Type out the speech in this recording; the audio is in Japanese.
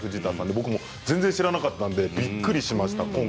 僕も全然知らなかったので今回びっくりしました。